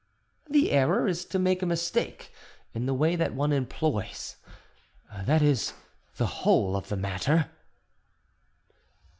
The error is to make a mistake in the way that one employs—that is the whole of the matter."